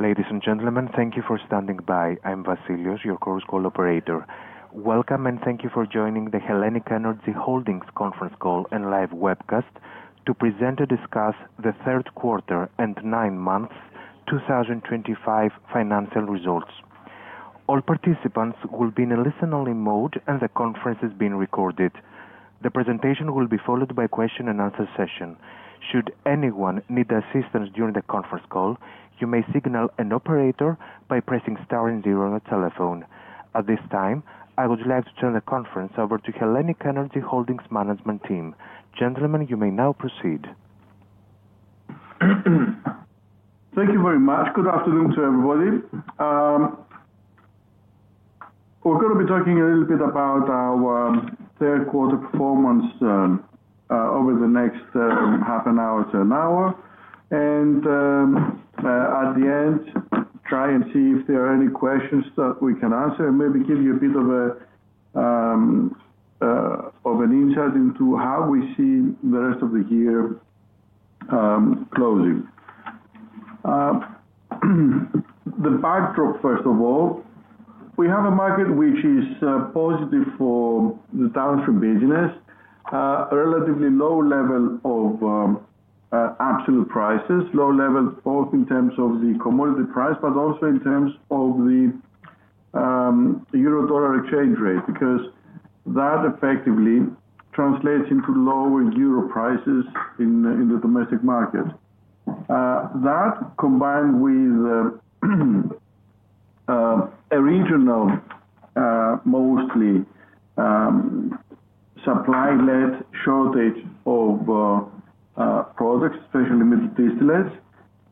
Ladies and gentlemen, thank you for standing by. I'm Vasilios, your course co-operator. Welcome, and thank you for joining the HELLENiQ ENERGY Holdings conference call and live webcast to present and discuss the third quarter and nine months 2025 financial results. All participants will be in a listen-only mode, and the conference is being recorded. The presentation will be followed by a question-and-answer session. Should anyone need assistance during the conference call, you may signal an operator by pressing star zero on the telephone. At this time, I would like to turn the conference over to HELLENiQ ENERGY Holdings Management Team. Gentlemen, you may now proceed. Thank you very much. Good afternoon to everybody. We're going to be talking a little bit about our third quarter performance over the next half an hour to an hour. At the end, try and see if there are any questions that we can answer and maybe give you a bit of an insight into how we see the rest of the year closing. The backdrop, first of all, we have a market which is positive for the downstream business, a relatively low level of absolute prices, low level both in terms of the commodity price but also in terms of the euro/dollar exchange rate because that effectively translates into lower euro prices in the domestic market. That, combined with a regional, mostly supply-led shortage of products, especially middle distillates,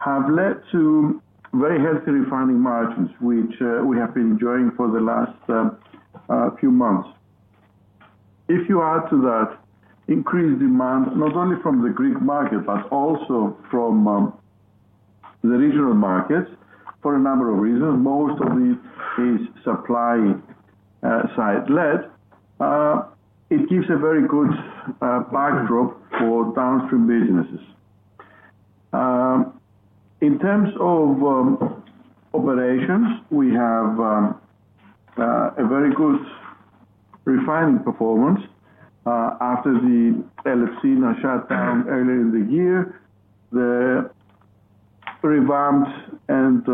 have led to very healthy refining margins which we have been enjoying for the last few months. If you add to that increased demand, not only from the Greek market but also from the regional markets for a number of reasons, most of it is supply-side-led, it gives a very good backdrop for downstream businesses. In terms of operations, we have a very good refining performance. After the LFC now shut down earlier in the year, the revamped and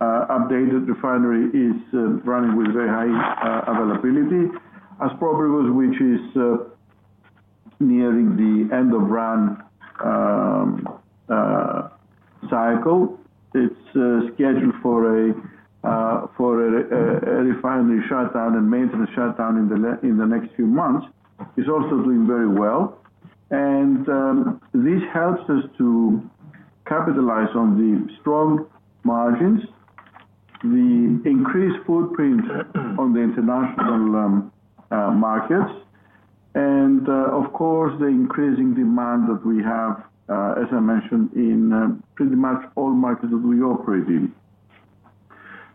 updated refinery is running with very high availability. Aspropyrgos, which is nearing the end of run cycle, is scheduled for a refinery shutdown and maintenance shutdown in the next few months. It is also doing very well. This helps us to capitalize on the strong margins, the increased footprint on the international markets, and, of course, the increasing demand that we have, as I mentioned, in pretty much all markets that we operate in.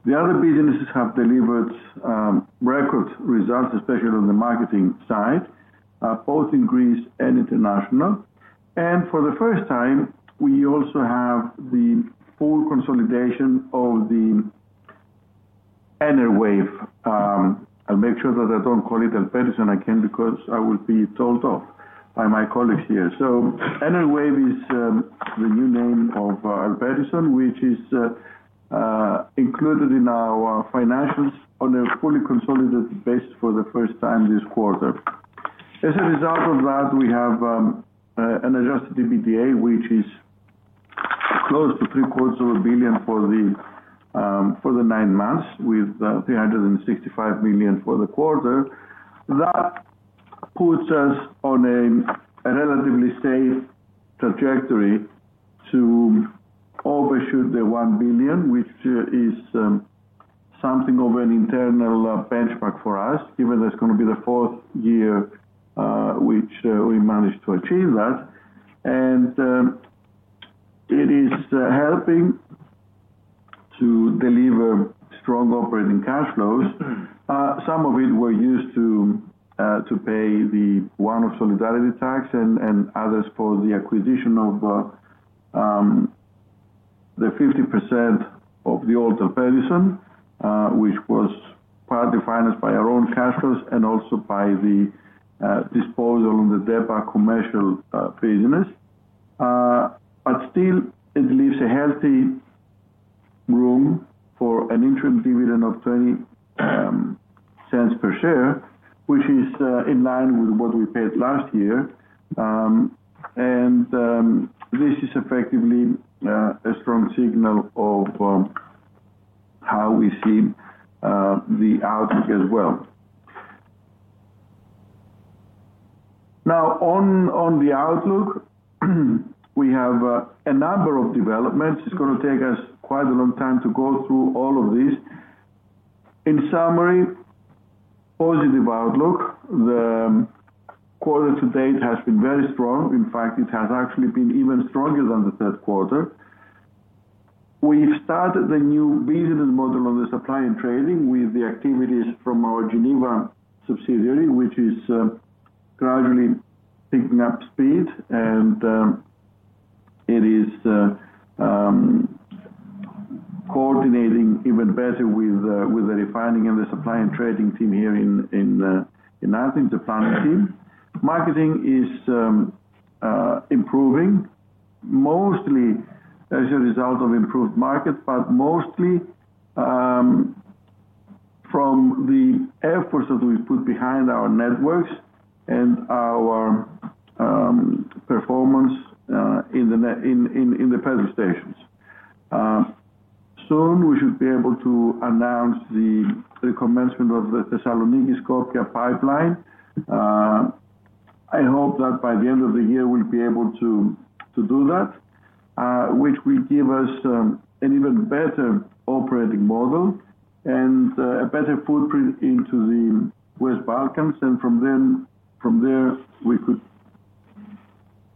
The other businesses have delivered record results, especially on the marketing side, both in Greece and international. For the first time, we also have the full consolidation of Enerwave. I'll make sure that I do not call it Elpedison again because I will be told off by my colleagues here. Enerwave is the new name of Elpedison, which is included in our financials on a fully consolidated basis for the first time this quarter. As a result of that, we have an adjusted EBITDA which is close to 750 million for the nine months with 365 million for the quarter. That puts us on a relatively safe trajectory to overshoot the 1 billion, which is something of an internal benchmark for us, given that it is going to be the fourth year which we managed to achieve that. It is helping to deliver strong operating cash flows. Some of it we used to pay the one-off solidarity tax and others for the acquisition of the 50% of the old Elpedison, which was partly financed by our own cash flows and also by the disposal of the DEPA commercial business. Still, it leaves a healthy room for an interim dividend of EUR 0.20 per share, which is in line with what we paid last year. This is effectively a strong signal of how we see the outlook as well. Now, on the outlook, we have a number of developments. It is going to take us quite a long time to go through all of these. In summary, positive outlook. The quarter to date has been very strong. In fact, it has actually been even stronger than the third quarter. We've started the new business model on the supply and trading with the activities from our Geneva subsidiary, which is gradually picking up speed. It is coordinating even better with the refining and the supply and trading team here in Athens, the planning team. Marketing is improving, mostly as a result of improved markets, but mostly from the efforts that we've put behind our networks and our performance in the petrol stations. Soon, we should be able to announce the commencement of the Thessaloniki-Skopje pipeline. I hope that by the end of the year, we'll be able to do that, which will give us an even better operating model and a better footprint into the West Balkans. From there, we could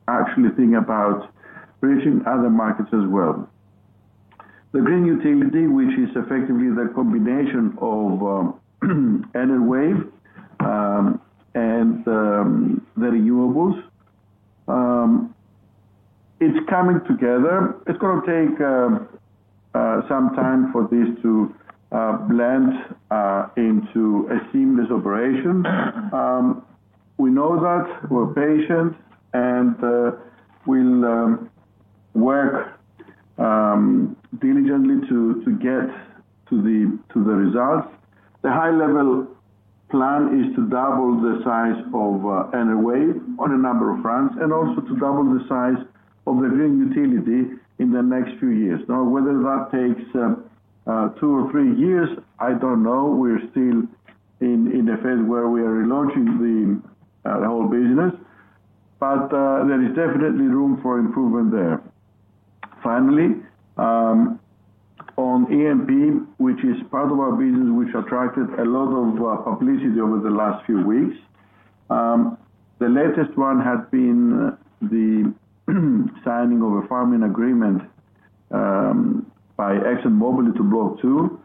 actually think about reaching other markets as well. The green utility, which is effectively the combination of Enerwave and the renewables, it's coming together. It's going to take some time for this to blend into a seamless operation. We know that. We're patient, and we'll work diligently to get to the results. The high-level plan is to double the size of Enerwave on a number of fronts and also to double the size of the green utility in the next few years. Now, whether that takes two or three years, I don't know. We're still in a phase where we are relaunching the whole business, but there is definitely room for improvement there. Finally, on EMP, which is part of our business, which attracted a lot of publicity over the last few weeks, the latest one had been the signing of a farming agreement by ExxonMobil to Block 2.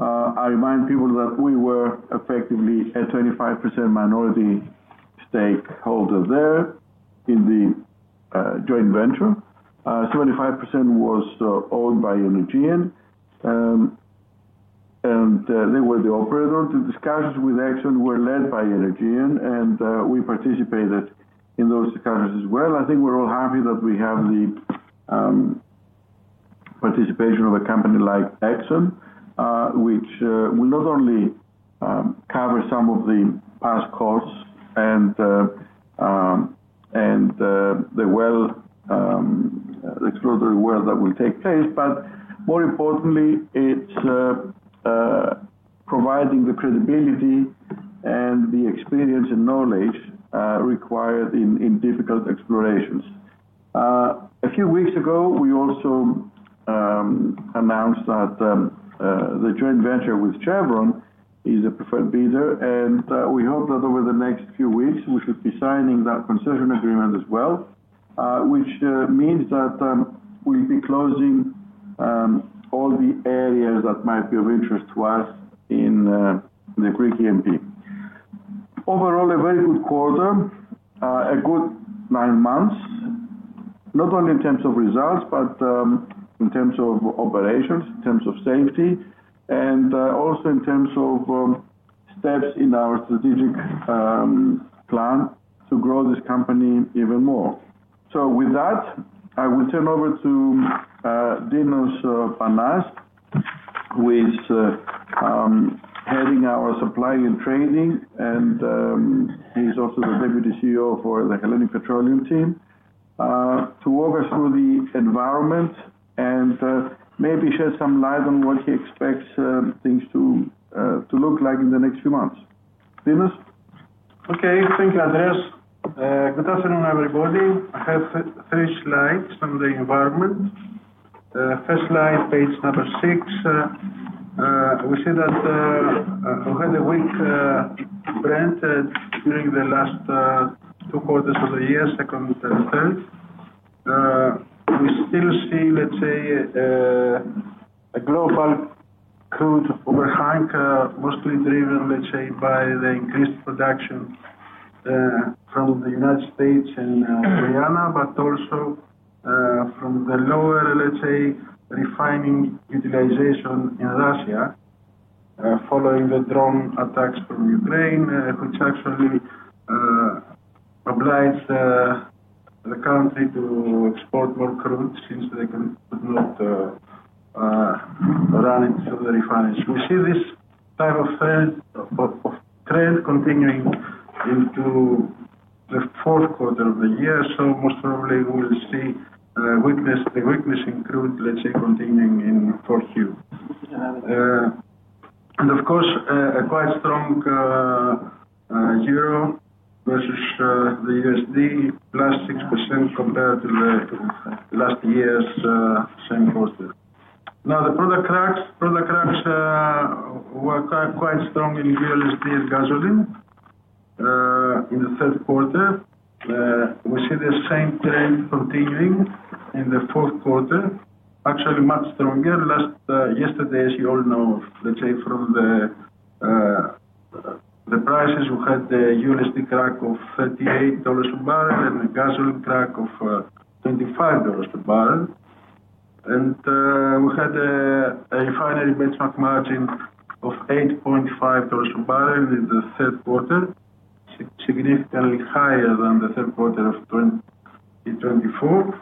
I remind people that we were effectively a 25% minority stakeholder there in the joint venture. 75% was owned by Energean, and they were the operator. The discussions with Exxon were led by Energean, and we participated in those discussions as well. I think we're all happy that we have the participation of a company like Exxon, which will not only cover some of the past costs and the exploratory work that will take place, but more importantly, it's providing the credibility and the experience and knowledge required in difficult explorations. A few weeks ago, we also announced that the joint venture with Chevron is a preferred bidder, and we hope that over the next few weeks, we should be signing that concession agreement as well, which means that we'll be closing all the areas that might be of interest to us in the Greek EMP. Overall, a very good quarter, a good nine months, not only in terms of results but in terms of operations, in terms of safety, and also in terms of steps in our strategic plan to grow this company even more. With that, I will turn over to Dinos Panas, who is heading our supply and trading, and he is also the Deputy CEO for the HELLENiQ Petroleum Team, to walk us through the environment and maybe shed some light on what he expects things to look like in the next few months. Dinos? Okay. Thank you, Andreas. Good afternoon, everybody. I have three slides on the environment. First slide, page number six. We see that we had a weak brand during the last two quarters of the year, second and third. We still see, let's say, a global crude overhang, mostly driven, let's say, by the increased production from the United States and Guyana, but also from the lower, let's say, refining utilization in Russia following the drone attacks from Ukraine, which actually obliges the country to export more crude since they could not run it through the refineries. We see this type of trend continuing into the fourth quarter of the year. Most probably, we'll see the weakness in crude, let's say, continuing in fourth year. Of course, a quite strong euro versus the USD, plus 6% compared to the last year's same quarter. Now, the product cracks were quite strong in USD and gasoline in the third quarter. We see the same trend continuing in the fourth quarter, actually much stronger. Yesterday, as you all know, let's say, from the prices, we had the USD crack of $38 a barrel and the gasoline crack of $25 a barrel. We had a refinery benchmark margin of $8.5 a barrel in the third quarter, significantly higher than the third quarter of 2024.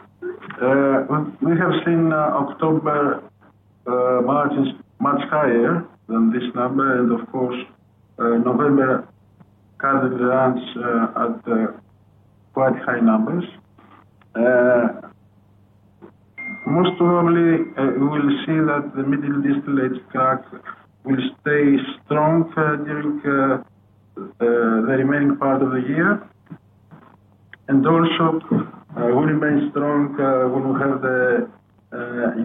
We have seen October margins much higher than this number. Of course, November cut the runs at quite high numbers. Most probably, we will see that the middle distillates crack will stay strong during the remaining part of the year. We will remain strong when we have the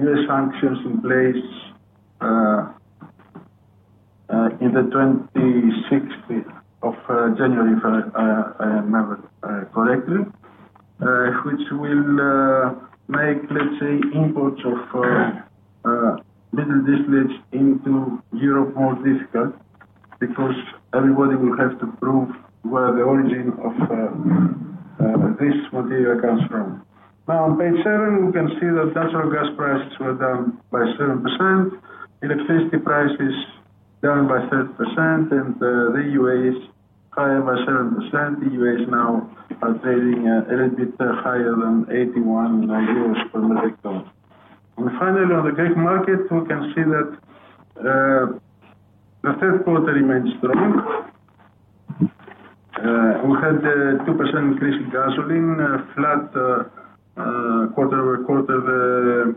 U.S. sanctions in place on the 26th of January, if I remember correctly, which will make, let's say, imports of middle distillates into Europe more difficult because everybody will have to prove where the origin of this material comes from. Now, on page seven, we can see that natural gas prices were down by 7%. Electricity prices down by 30%. The UAE is higher by 7%. The UAE is now trading a little bit higher than 81 euros per metric tonne. Finally, on the Greek market, we can see that the third quarter remains strong. We had a 2% increase in gasoline, flat quarter-over-quarter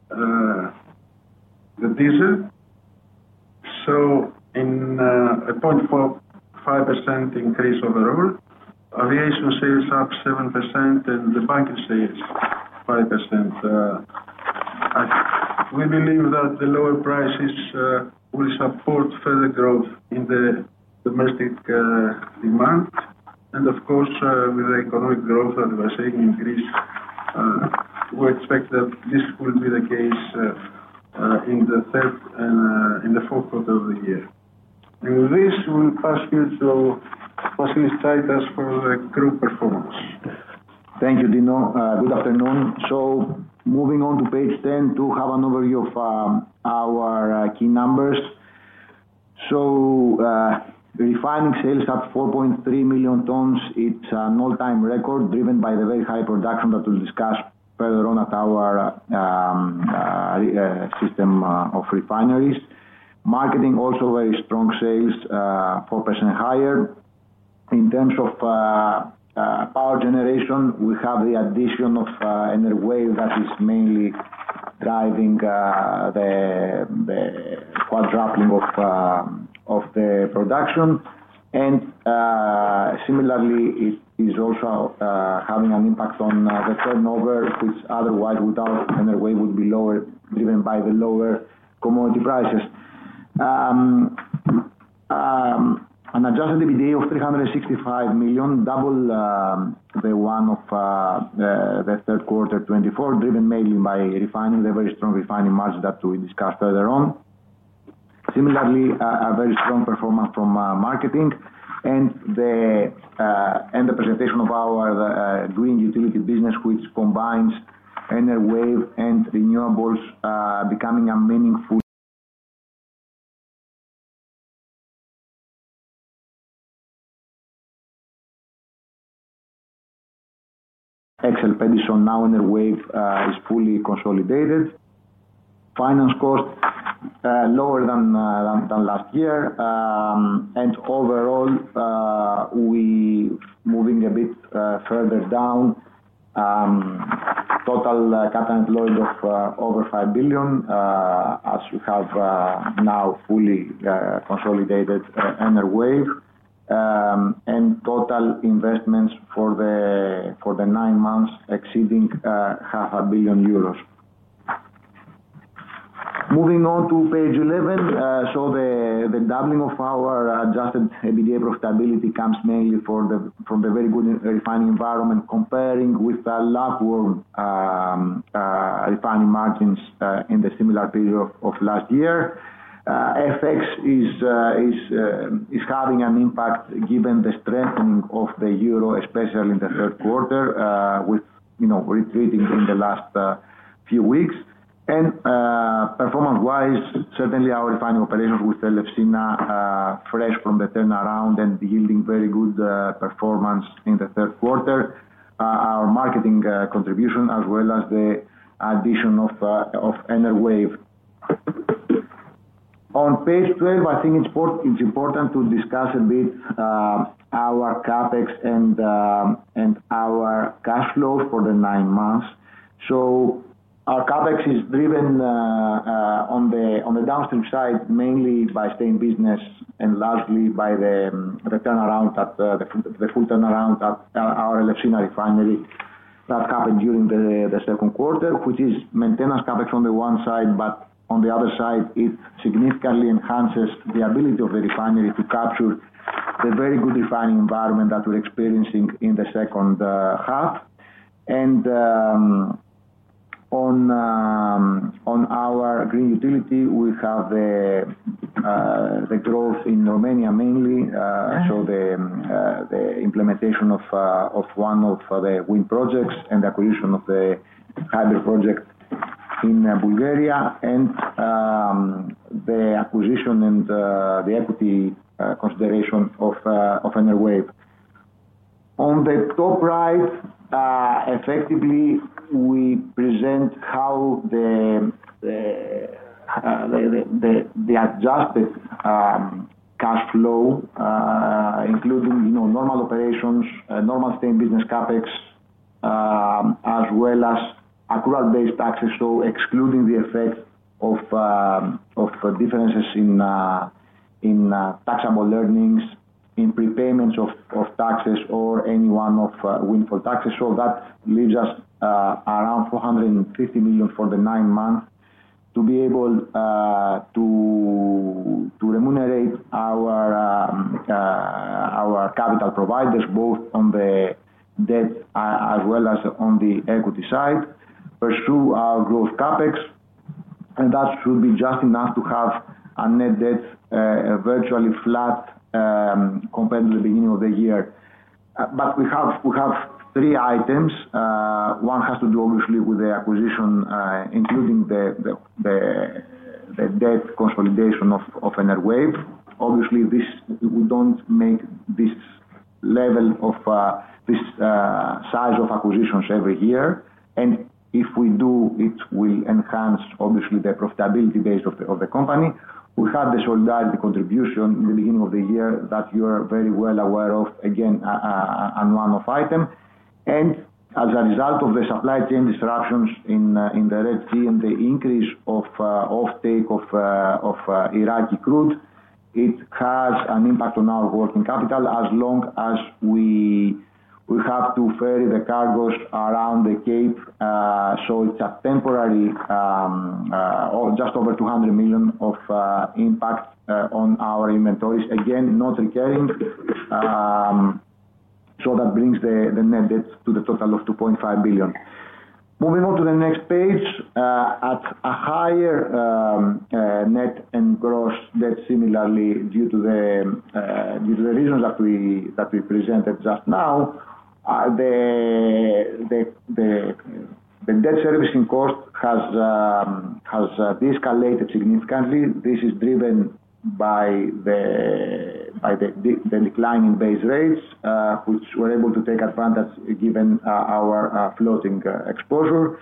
for diesel. So a 0.5% increase overall. Aviation sales up 7%, and the banking sales 5%. We believe that the lower prices will support further growth in the domestic demand. Of course, with the economic growth that we're seeing increase, we expect that this will be the case in the third and in the fourth quarter of the year. With this, we'll pass you to Vasilis Tsaitas for the crude performance. Thank you, Dino. Good afternoon. Moving on to page 10 to have an overview of our key numbers. Refining sales up 4.3 million tons. It is an all-time record driven by the very high production that we will discuss further on at our system of refineries. Marketing also very strong sales, 4% higher. In terms of power generation, we have the addition of Enerwave that is mainly driving the quadrupling of the production. Similarly, it is also having an impact on the turnover, which otherwise, without Enerwave, would be lower driven by the lower commodity prices. An adjusted EBITDA of 365 million, double the one of the third quarter 2024, driven mainly by refining, the very strong refining margin that we discussed further on. Similarly, a very strong performance from marketing and the presentation of our green utility business, which combines Enerwave and renewables, becoming a meaningful. Elpedison now Enerwave, is fully consolidated. Finance costs lower than last year. Overall, we're moving a bit further down. Total capital employed of over 5 billion, as we have now fully consolidated Enerwave. Total investments for the nine months exceeding 500 million euros. Moving on to page 11. The doubling of our adjusted EBITDA profitability comes mainly from the very good refining environment, comparing with the [inaudible] refining margins in the similar period of last year. FX is having an impact given the strengthening of the euro, especially in the third quarter, with retreating in the last few weeks. Performance-wise, certainly our refining operations with Elefsina, fresh from the turnaround and yielding very good performance in the third quarter, our marketing contribution, as well as the addition of Enerwave. On page 12, I think it's important to discuss a bit our CapEx and our cash flows for the nine months. Our CapEx is driven on the downstream side, mainly by staying business and largely by the full turnaround at our Elefsina refinery that happened during the second quarter, which is maintenance CapEx on the one side, but on the other side, it significantly enhances the ability of the refinery to capture the very good refining environment that we're experiencing in the second half. On our green utility, we have the growth in Romania, mainly, so the implementation of one of the wind projects and the acquisition of the hybrid project in Bulgaria, and the acquisition and the equity consideration of Enerwave. On the top right, effectively, we present how the adjusted cash flow, including normal operations, normal staying business CapEx, as well as accrual-based taxes, so excluding the effect of differences in taxable earnings, in prepayments of taxes, or any one of windfall taxes. That leaves us around 450 million for the nine months to be able to remunerate our capital providers, both on the debt as well as on the equity side, pursue our growth CapEx. That should be just enough to have a net debt virtually flat compared to the beginning of the year. We have three items. One has to do, obviously, with the acquisition, including the debt consolidation of Enerwave. Obviously, we do not make this level of this size of acquisitions every year. If we do, it will enhance, obviously, the profitability base of the company. We have the solidarity contribution in the beginning of the year that you are very well aware of, again, a one-off item. As a result of the supply chain disruptions in the Red Sea and the increase of offtake of Iraqi crude, it has an impact on our working capital as long as we have to ferry the cargoes around the Cape. It is a temporary just over 200 million of impact on our inventories, again, not recurring. That brings the net debt to the total of 2.5 billion. Moving on to the next page, at a higher net and gross debt, similarly, due to the reasons that we presented just now, the debt servicing cost has de-escalated significantly. This is driven by the decline in base rates, which we're able to take advantage of given our floating exposure,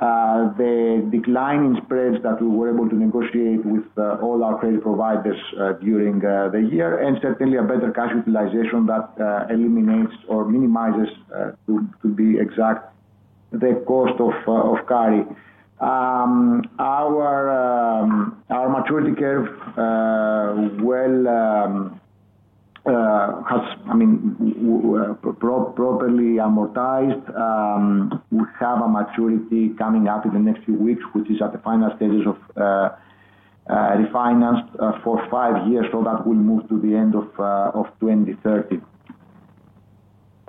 the decline in spreads that we were able to negotiate with all our credit providers during the year, and certainly a better cash utilization that eliminates or minimizes, to be exact, the cost of carry. Our maturity curve has properly amortized. We have a maturity coming up in the next few weeks, which is at the final stages of refinance for five years. That will move to the end of 2030.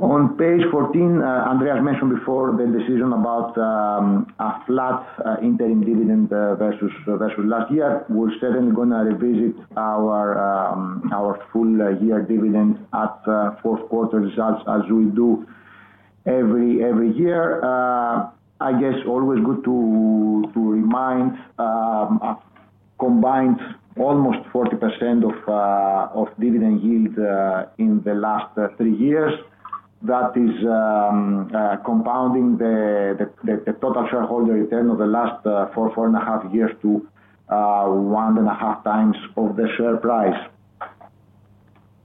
On page 14, Andreas mentioned before the decision about a flat interim dividend versus last year. We're certainly going to revisit our full year dividend at fourth quarter results, as we do every year. I guess always good to remind, combined almost 40% of dividend yield in the last three years. That is compounding the total shareholder return of the last four, four and a half years to one and a half times of the share price.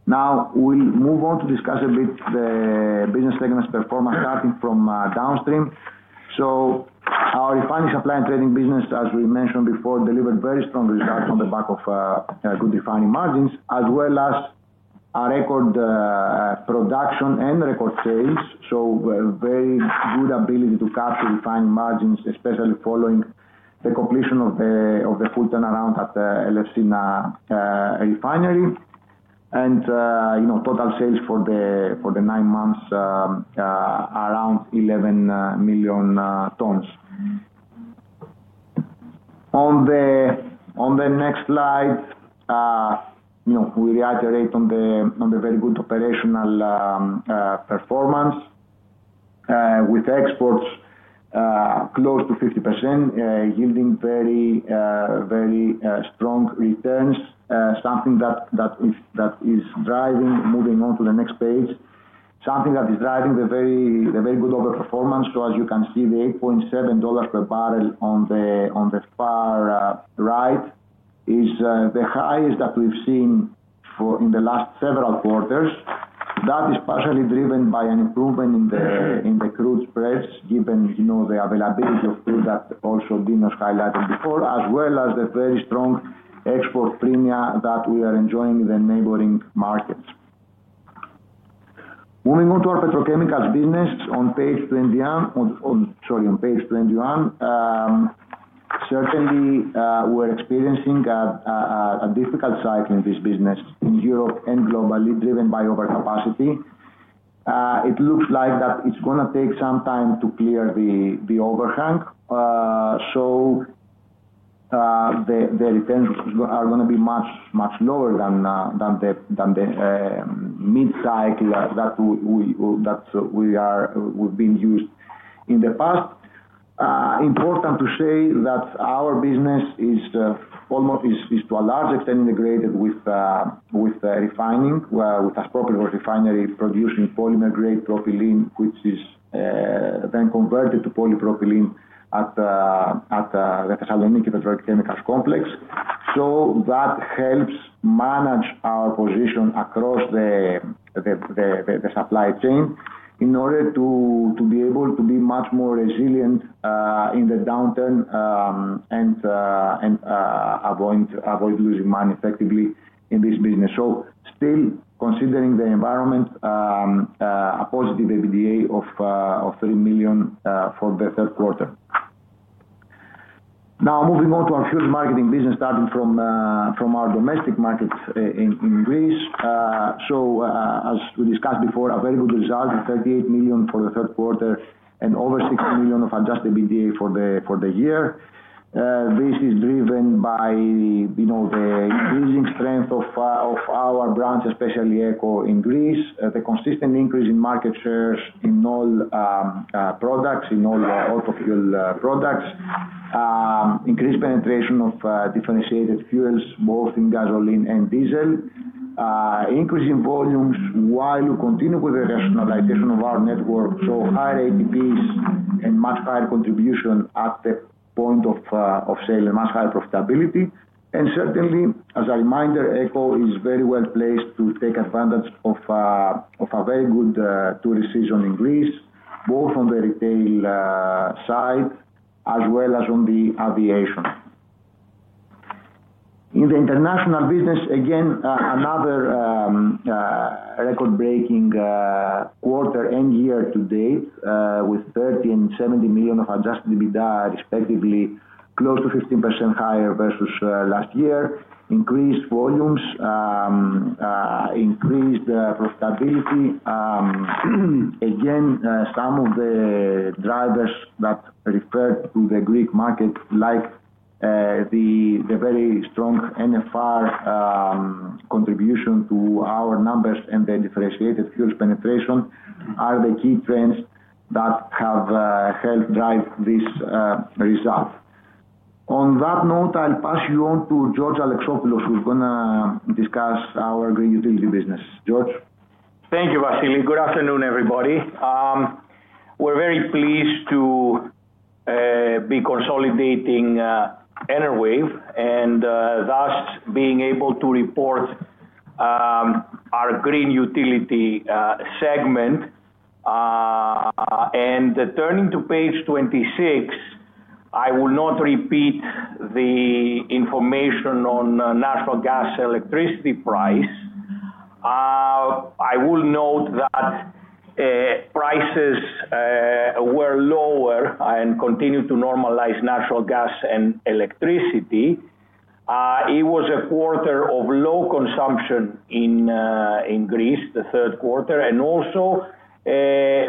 Now, we'll move on to discuss a bit the business-agonist performance starting from downstream. Our refining supply and trading business, as we mentioned before, delivered very strong results on the back of good refining margins, as well as our record production and record sales. Very good ability to capture refining margins, especially following the completion of the full turnaround at Elefsina refinery. Total sales for the nine months, around 11 million tons. On the next slide, we reiterate on the very good operational performance, with exports close to 50%, yielding very strong returns, something that is driving moving on to the next page, something that is driving the very good overperformance. As you can see, the $8.7 per barrel on the far right is the highest that we've seen in the last several quarters. That is partially driven by an improvement in the crude spreads, given the availability of crude that also Dinos highlighted before, as well as the very strong export premia that we are enjoying in the neighboring markets. Moving on to our petrochemicals business on page 21. Certainly, we're experiencing a difficult cycle in this business in Europe and globally, driven by overcapacity. It looks like that it's going to take some time to clear the overhang. The returns are going to be much lower than the mid-cycle that we've been used in the past. Important to say that our business is, to a large extent, integrated with refining, with a proper refinery producing polymer-grade propylene, which is then converted to polypropylene at the Thessaloniki Petrochemicals Complex. That helps manage our position across the supply chain in order to be able to be much more resilient in the downturn and avoid losing money effectively in this business. Still, considering the environment, a positive EBITDA of 3 million for the third quarter. Now, moving on to our huge marketing business, starting from our domestic markets in Greece. As we discussed before, a very good result, 38 million for the third quarter and over 60 million of adjusted EBITDA for the year. This is driven by the increasing strength of our brand, especially ECO in Greece, the consistent increase in market shares in all products, in all auto fuel products, increased penetration of differentiated fuels, both in gasoline and diesel, increasing volumes while we continue with the rationalization of our network. Higher ATPs and much higher contribution at the point of sale and much higher profitability. Certainly, as a reminder, ECO is very well placed to take advantage of a very good tourist season in Greece, both on the retail side as well as on the aviation. In the international business, again, another record-breaking quarter and year to date with 30 million and 70 million of adjusted EBITDA, respectively, close to 15% higher versus last year, increased volumes, increased profitability. Again, some of the drivers that referred to the Greek market, like the very strong NFR contribution to our numbers and the differentiated fuel penetration, are the key trends that have helped drive this result. On that note, I'll pass you on to George Alexopoulos, who's going to discuss our green utility business. George? Thank you, Vasilis. Good afternoon, everybody. We're very pleased to be consolidating Enerwave and thus being able to report our green utility segment. Turning to page 26, I will not repeat the information on natural gas electricity price. I will note that prices were lower and continue to normalize natural gas and electricity. It was a quarter of low consumption in Greece, the third quarter.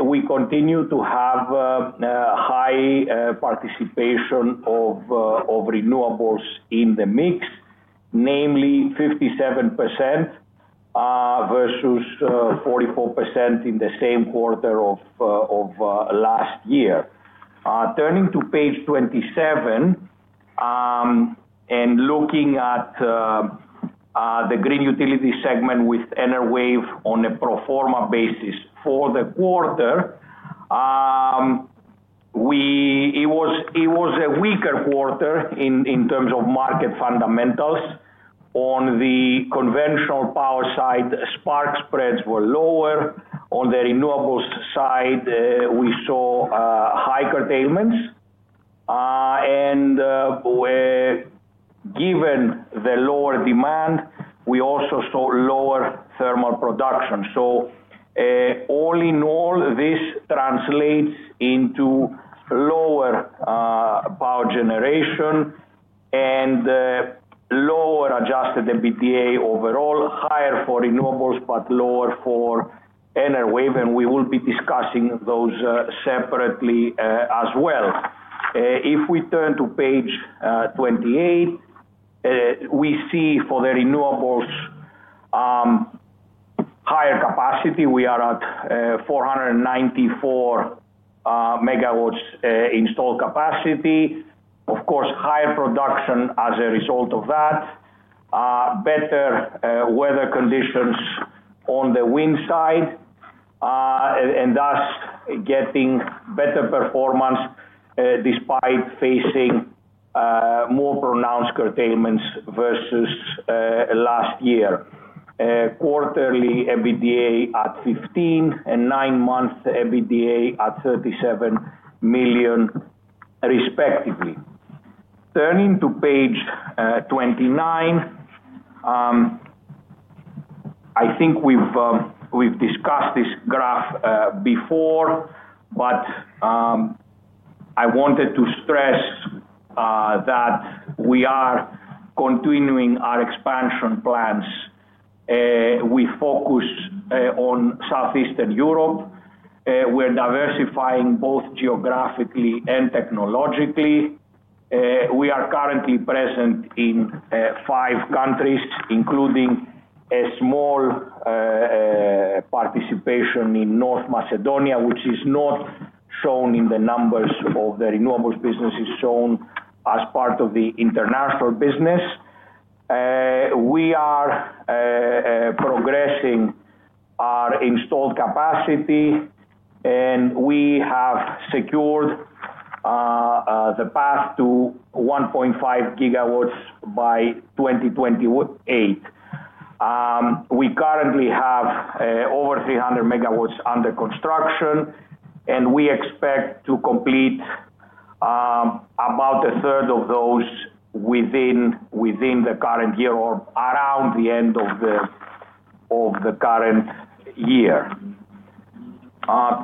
We continue to have high participation of renewables in the mix, namely 57% versus 44% in the same quarter of last year. Turning to page 27 and looking at the green utility segment with Enerwave on a pro forma basis for the quarter, it was a weaker quarter in terms of market fundamentals. On the conventional power side, spark spreads were lower. On the renewables side, we saw high curtailments. Given the lower demand, we also saw lower thermal production. All in all, this translates into lower power generation and lower adjusted EBITDA overall, higher for renewables but lower for Enerwave. We will be discussing those separately as well. If we turn to page 28, we see for the renewables, higher capacity. We are at 494 megawatts installed capacity. Of course, higher production as a result of that, better weather conditions on the wind side, and thus getting better performance despite facing more pronounced curtailments versus last year. Quarterly EBITDA at 15 million and nine-month EBITDA at 37 million, respectively. Turning to page 29, I think we've discussed this graph before, but I wanted to stress that we are continuing our expansion plans. We focus on Southeastern Europe. We're diversifying both geographically and technologically. We are currently present in five countries, including a small participation in North Macedonia, which is not shown in the numbers of the renewables businesses shown as part of the international business. We are progressing our installed capacity, and we have secured the path to 1.5 GW by 2028. We currently have over 300 megawatts under construction, and we expect to complete about a third of those within the current year or around the end of the current year.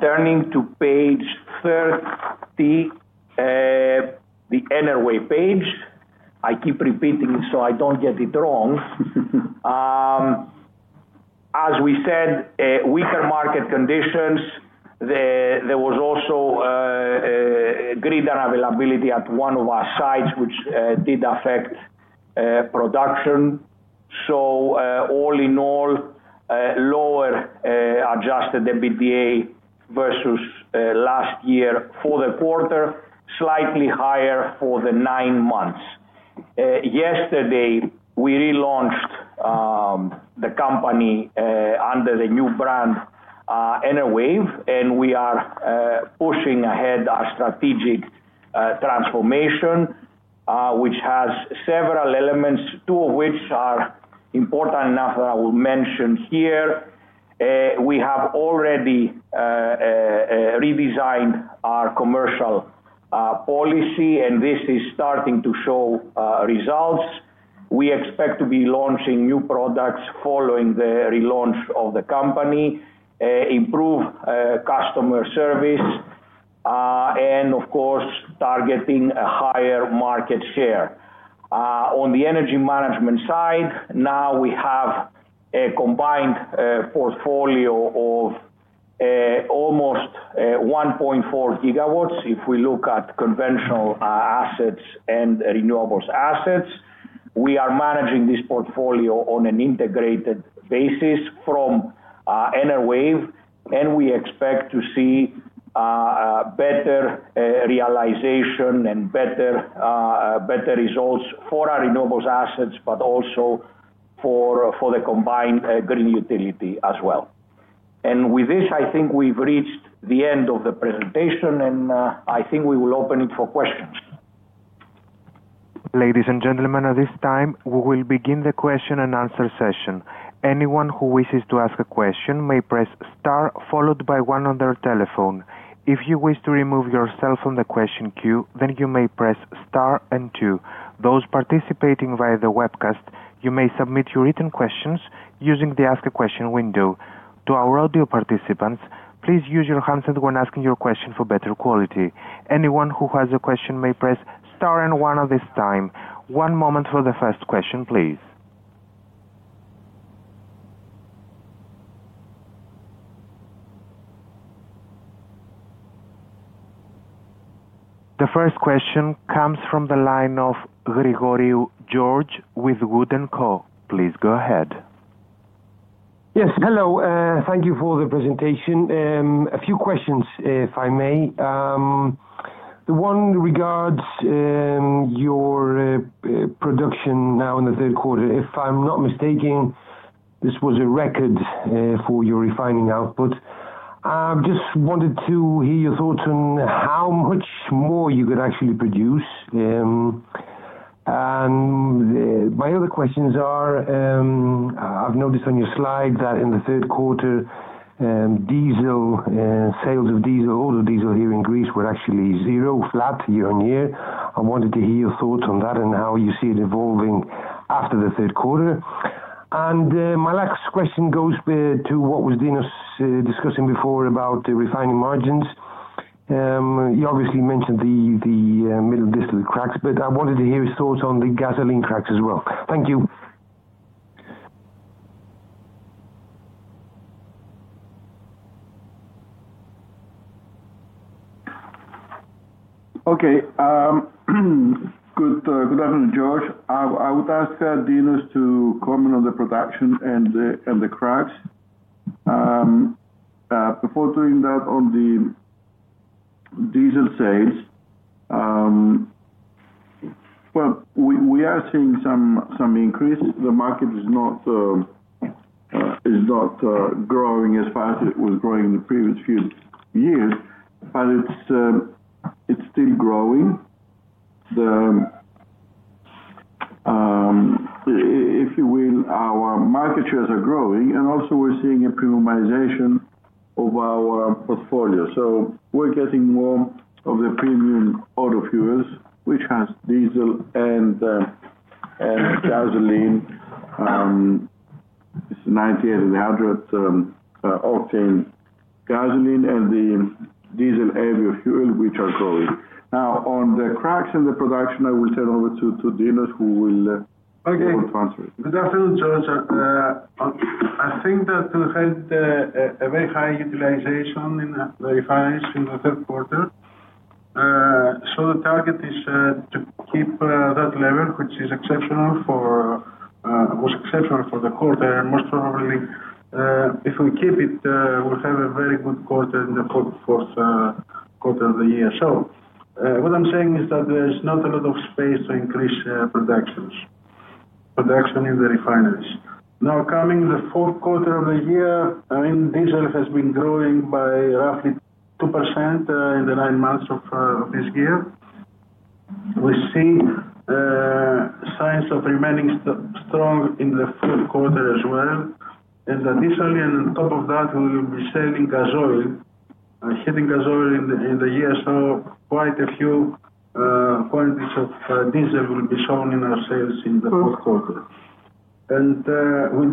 Turning to page 30, the Enerwave page, I keep repeating it so I don't get it wrong. As we said, weaker market conditions. There was also greater availability at one of our sites, which did affect production. All in all, lower adjusted EBITDA versus last year for the quarter, slightly higher for the nine months. Yesterday, we relaunched the company under the new brand Enerwave, and we are pushing ahead our strategic transformation, which has several elements, two of which are important enough that I will mention here. We have already redesigned our commercial policy, and this is starting to show results. We expect to be launching new products following the relaunch of the company, improve customer service, and, of course, targeting a higher market share. On the energy management side, now we have a combined portfolio of almost 1.4 GW. If we look at conventional assets and renewables assets, we are managing this portfolio on an integrated basis from Enerwave, and we expect to see better realization and better results for our renewables assets, but also for the combined green utility as well. With this, I think we've reached the end of the presentation, and I think we will open it for questions. Ladies and gentlemen, at this time, we will begin the question and answer session. Anyone who wishes to ask a question may press star followed by one on their telephone. If you wish to remove yourself from the question queue, then you may press star and two. Those participating via the webcast, you may submit your written questions using the ask a question window. To our audio participants, please use your hands when asking your question for better quality. Anyone who has a question may press star and one at this time. One moment for the first question, please. The first question comes from the line of Grigoriou, George with WOOD & Co. Please go ahead. Yes. Hello. Thank you for the presentation. A few questions, if I may. The one regards your production now in the third quarter. If I'm not mistaken, this was a record for your refining output. I just wanted to hear your thoughts on how much more you could actually produce. My other questions are, I've noticed on your slide that in the third quarter, diesel sales of diesel, auto diesel here in Greece, were actually zero, flat year on year. I wanted to hear your thoughts on that and how you see it evolving after the third quarter. My last question goes to what was Dinos discussing before about the refining margins. You obviously mentioned the middle distillate, the cracks, but I wanted to hear his thoughts on the gasoline cracks as well. Thank you. Okay. Good afternoon, George. I would ask Dinos to comment on the production and the cracks. Before doing that, on the diesel sales, we are seeing some increase. The market is not growing as fast as it was growing in the previous few years, but it is still growing. If you will, our market shares are growing, and also we are seeing a premiumization of our portfolio. We are getting more of the premium auto fuels, which has diesel and gasoline, 98 and 100 octane gasoline and the diesel heavy fuel, which are growing. Now, on the cracks and the production, I will turn over to Dinos who will translate. Okay. Good afternoon, George. I think that we had a very high utilization in the refineries in the third quarter. The target is to keep that level, which is exceptional for the quarter. Most probably, if we keep it, we will have a very good quarter in the fourth quarter of the year. What I'm saying is that there's not a lot of space to increase production in the refineries. Now, coming to the fourth quarter of the year, I mean, diesel has been growing by roughly 2% in the nine months of this year. We see signs of remaining strong in the fourth quarter as well. Additionally, on top of that, we will be selling gasoil, heating gasoil in the year. Quite a few quantities of diesel will be shown in our sales in the fourth quarter. We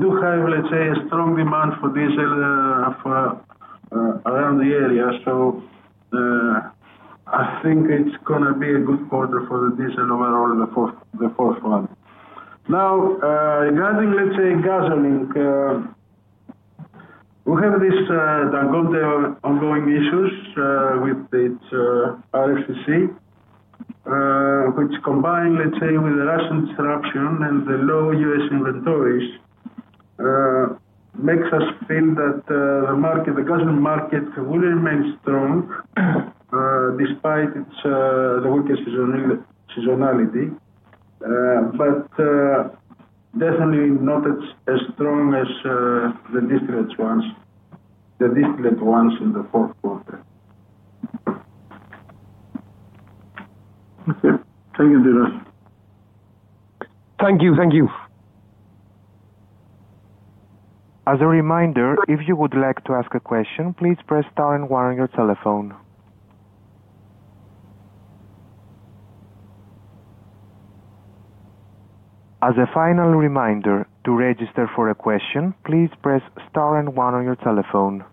do have, let's say, a strong demand for diesel around the area. I think it's going to be a good quarter for diesel overall in the fourth one. Now, regarding, let's say, gasoline, we have these ongoing issues with its RFCC, which combined, let's say, with the Russian disruption and the low U.S. inventories, makes us feel that the gasoline market will remain strong despite the weaker seasonality. Definitely not as strong as the distillate ones in the fourth quarter. Okay. Thank you, Dinos. Thank you. Thank you. As a reminder, if you would like to ask a question, please press star and one on your telephone. As a final reminder, to register for a question, please press star and one on your telephone.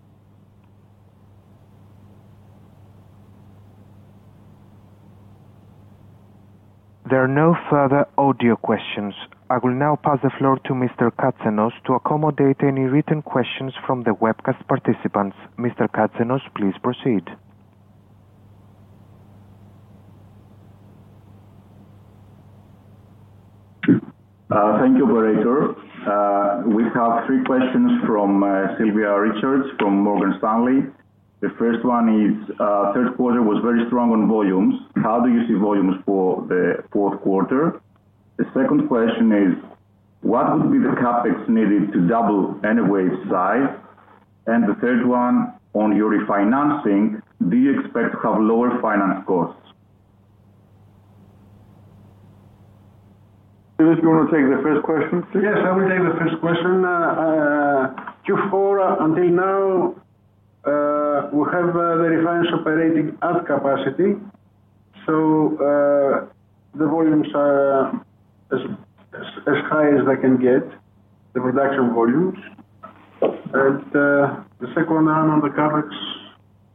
There are no further audio questions. I will now pass the floor to Mr. Katsenos to accommodate any written questions from the webcast participants. Mr. Katsenos, please proceed. Thank you, Operator. We have three questions from Sylvia Richards from Morgan Stanley. The first one is, "Third quarter was very strong on volumes. How do you see volumes for the fourth quarter? The second question is, what would be the CapEx needed to double Enerwave's size? And the third one, on your financing, do you expect to have lower finance costs? Did you want to take the first question? Yes, I will take the first question. Q4, until now, we have the refineries operating at capacity. The volumes are as high as they can get, the production volumes. The second one on the CapEx?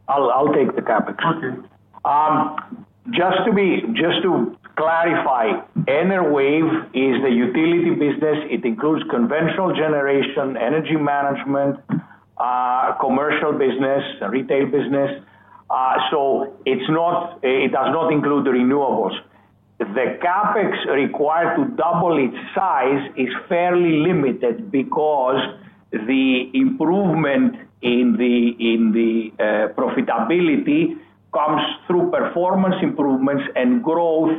I'll take the CapEx. Okay. Just to clarify, Enerwave is the utility business. It includes conventional generation, energy management, commercial business, retail business. It does not include the renewables. The CapEx required to double its size is fairly limited because the improvement in the profitability comes through performance improvements and growth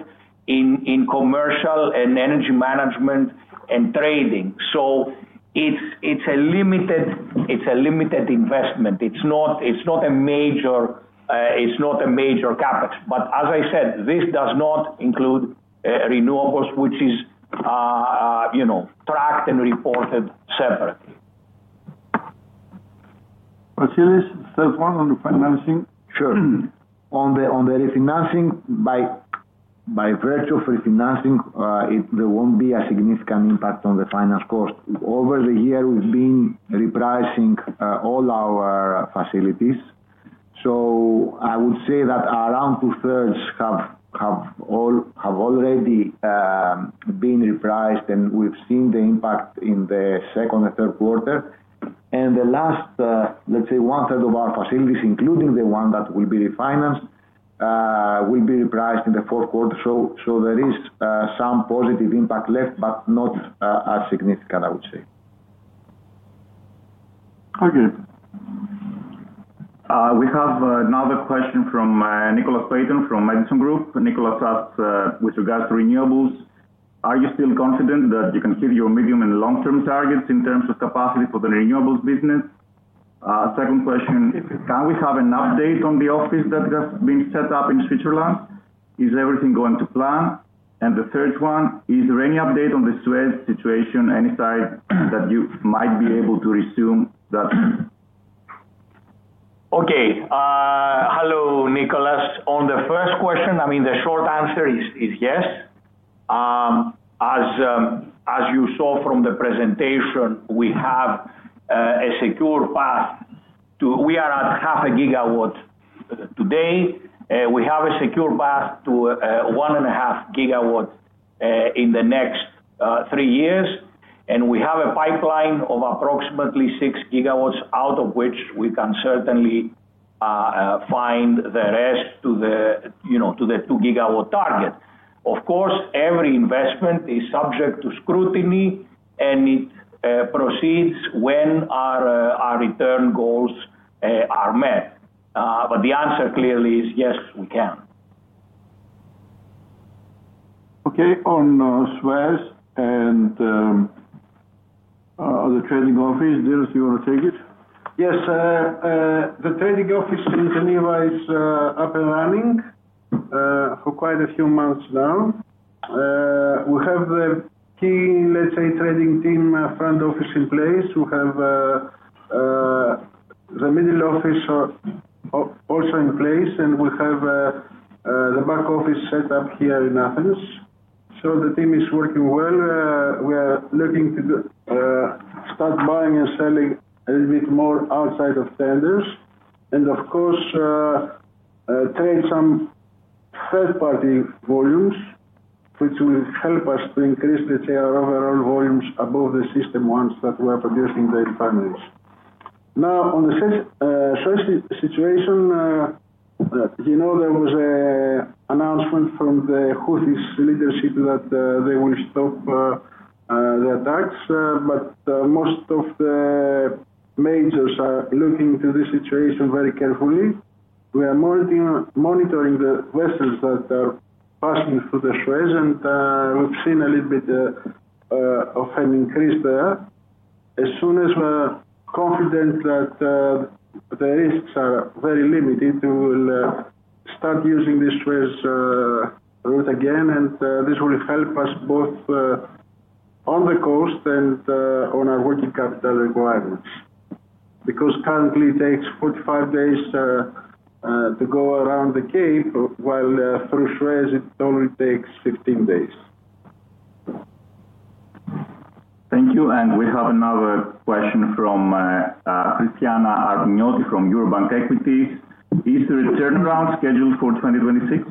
in commercial and energy management and trading. It is a limited investment. It's not a major CapEx. As I said, this does not include renewables, which is tracked and reported separately. Vasilis, third one on the financing? Sure. On the refinancing, by virtue of refinancing, there will not be a significant impact on the finance cost. Over the year, we've been repricing all our facilities. I would say that around two-thirds have already been repriced, and we've seen the impact in the second and third quarter. The last, let's say, one-third of our facilities, including the one that will be refinanced, will be repriced in the fourth quarter. There is some positive impact left, but not as significant, I would say. Okay. We have another question from Nicholas Paton from Edison Group. Nicholas asks, "With regards to renewables, are you still confident that you can hit your medium and long-term targets in terms of capacity for the renewables business?" Second question, "Can we have an update on the office that has been set up in Switzerland? Is everything going to plan?" The third one, "Is there any update on the Suez situation, any side that you might be able to resume that?" Okay. Hello, Nicholas. On the first question, I mean, the short answer is yes. As you saw from the presentation, we have a secure path to we are at half a GW today. We have a secure path to 1.5 GW in the next three years. We have a pipeline of approximately 6 GW, out of which we can certainly find the rest to the 2-GW target. Of course, every investment is subject to scrutiny, and it proceeds when our return goals are met. The answer clearly is yes, we can. Okay. On Suez and the trading office, Dinos, you want to take it? Yes. The trading office in Geneva is up and running for quite a few months now. We have the key, let's say, trading team front office in place. We have the middle office also in place, and we have the back office set up here in Athens. The team is working well. We are looking to start buying and selling a little bit more outside of tenders. Of course, trade some third-party volumes, which will help us to increase, let's say, our overall volumes above the system ones that we are producing at the refineries. Now, on the Suez situation, there was an announcement from the Houthi leadership that they will stop the attacks. Most of the majors are looking to this situation very carefully. We are monitoring the vessels that are passing through the Suez, and we've seen a little bit of an increase there. As soon as we're confident that the risks are very limited, we will start using the Suez route again, and this will help us both on the cost and on our working capital requirements. Because currently, it takes 45 days to go around the Cape, while through Suez, it only takes 15 days. Thank you. We have another question from Christiana Armpounioti from Eurobank Equities. Is the return round scheduled for 2026?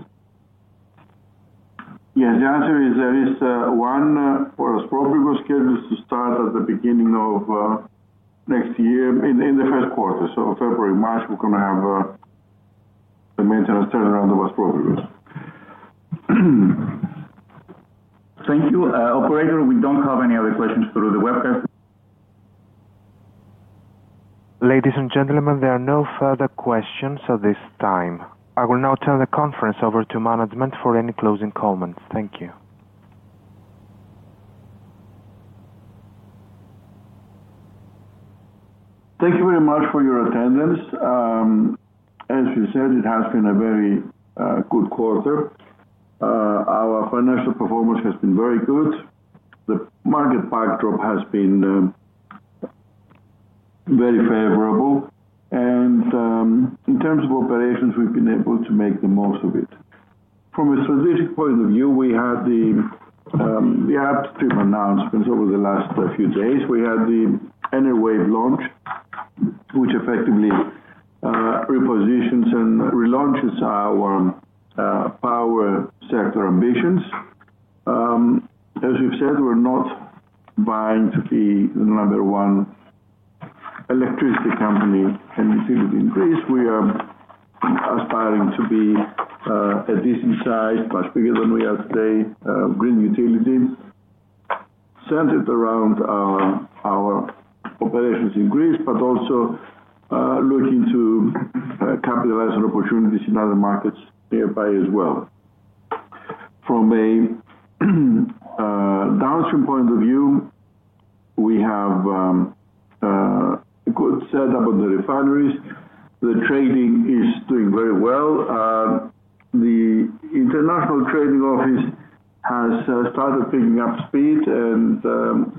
Yes. The answer is there is one for us. Probably we're scheduled to start at the beginning of next year in the first quarter. February, March, we're going to have the maintenance turnaround of Aspropyrgos. Thank you. Operator, we don't have any other questions through the webcast. Ladies and gentlemen, there are no further questions at this time. I will now turn the conference over to management for any closing comments. Thank you. Thank you very much for your attendance. As you said, it has been a very good quarter. Our financial performance has been very good. The market backdrop has been very favorable. In terms of operations, we've been able to make the most of it. From a strategic point of view, we had the upstream announcements over the last few days. We had the Enerwave launch, which effectively repositions and relaunches our power sector ambitions. As we've said, we're not trying to be the number one electricity company in utility in Greece. We are aspiring to be a decent size, much bigger than we are today, green utility, centered around our operations in Greece, but also looking to capitalize on opportunities in other markets nearby as well. From a downstream point of view, we have a good setup on the refineries. The trading is doing very well. The international trading office has started picking up speed, and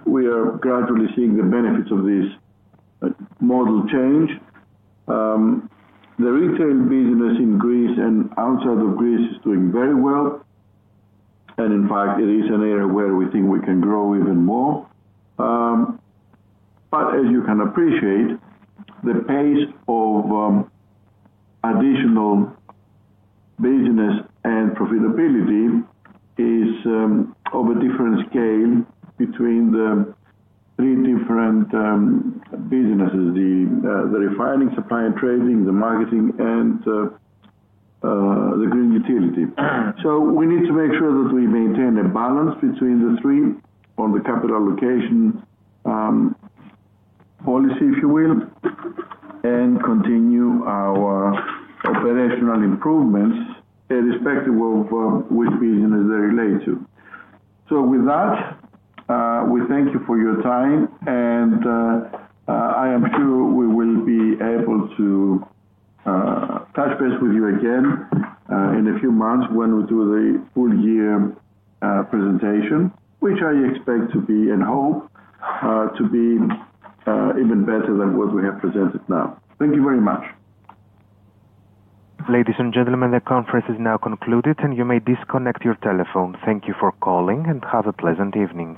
we are gradually seeing the benefits of this model change. The retail business in Greece and outside of Greece is doing very well. In fact, it is an area where we think we can grow even more. As you can appreciate, the pace of additional business and profitability is of a different scale between the three different businesses: the refining, supply, and trading, the marketing, and the green utility. We need to make sure that we maintain a balance between the three on the capital allocation policy, if you will, and continue our operational improvements irrespective of which business they relate to. With that, we thank you for your time. I am sure we will be able to touch base with you again in a few months when we do the full-year presentation, which I expect to be, and hope, to be even better than what we have presented now. Thank you very much. Ladies and gentlemen, the conference is now concluded, and you may disconnect your telephone. Thank you for calling, and have a pleasant evening.